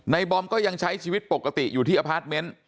บอมก็ยังใช้ชีวิตปกติอยู่ที่อพาร์ทเมนต์